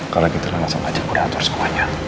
kalau gitu langsung aja udah atur semuanya